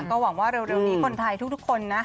ก็หวังว่าเร็วนี้คนไทยทุกคนนะ